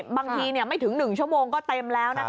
บางทีไม่ถึง๑ชั่วโมงก็เต็มแล้ว